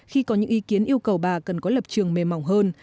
khi có những ý kiến yêu cầu bà cần có lập trường mềm mỏng hơn